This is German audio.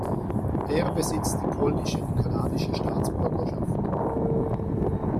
Er besitzt die polnische und kanadische Staatsbürgerschaft.